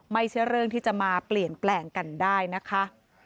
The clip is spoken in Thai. ไม่ใช่เรื่องที่จะมาเปลี่ยนแปลงกันได้นะคะ